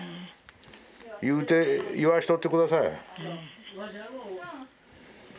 言うて言わしとって下さい。